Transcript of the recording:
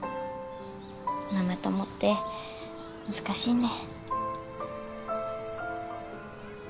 ママ友って難しいね。